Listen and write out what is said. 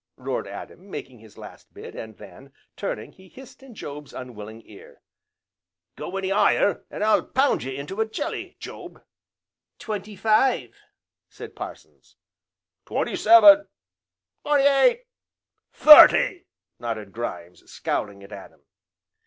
roared Adam, making his last bid, and then, turning, he hissed in Job's unwilling ear, "go any higher, an' I'll pound ye to a jelly, Job!" "Twenty five!" said Parsons. "Twenty seven!" "Twenty eight!" "Thirty!" nodded Grimes, scowling at Adam.